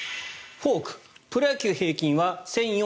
フォーク、プロ野球平均は１４００回転。